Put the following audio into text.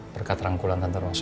berkat rangkulan tante rosa